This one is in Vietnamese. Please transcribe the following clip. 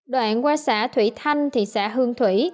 đoạn qua xã thủy thanh thị xã hương thủy